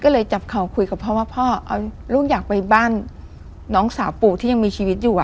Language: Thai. ก็เลยจับเข่าคุยกับพ่อว่าพ่อลูกอยากไปบ้านน้องสาวปู่ที่ยังมีชีวิตอยู่